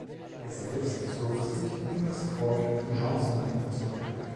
Er selbst zog sich in das Fort Johnston zurück.